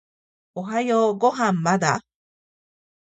おはようご飯まだ？